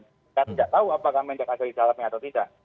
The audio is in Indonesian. kita tidak tahu apakah mendak ada di dalamnya atau tidak